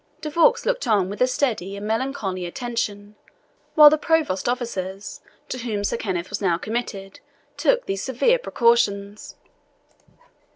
De Vaux looked on with a steady and melancholy attention, while the provost's officers, to whom Sir Kenneth was now committed, took these severe precautions.